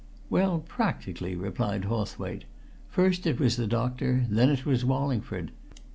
"Well, practically," replied Hawthwaite. "First it was the doctor; then it was Wallingford.